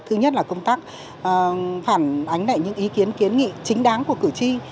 thứ nhất là công tác phản ánh lại những ý kiến kiến nghị chính đáng của cử tri